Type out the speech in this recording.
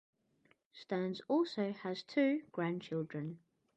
Stearns also has two grandchildren.